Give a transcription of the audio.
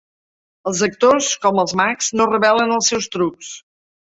Els actors, com els mags, no revelen els seus trucs.